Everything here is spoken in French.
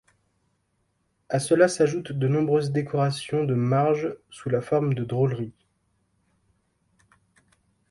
À cela s'ajoute de nombreuses décorations de marges sous la forme de drôleries.